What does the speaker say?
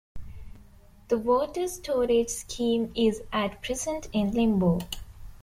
The water storage scheme is at present in limbo.